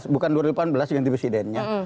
bukan dua ribu delapan belas yang di presidennya